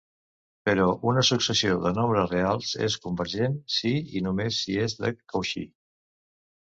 Però una successió de nombres reals és convergent si i només si és de Cauchy.